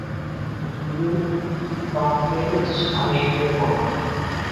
জুনি, ক্লান্ত হয়ে গেছিস, আয় শুয়ে পর।